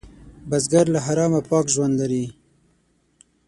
بزګر له حرامه پاک ژوند لري